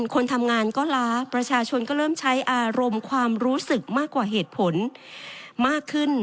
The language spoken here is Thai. คนทำงานก็ล้าประชาชนก็เริ่มใช้อารมณ์ความรู้สึกมากกว่าเหตุผลมากขึ้น